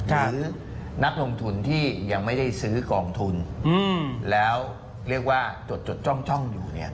หรือนักลงทุนที่ยังไม่ได้ซื้อกองทุนแล้วเรียกว่าจดจ้องอยู่เนี่ย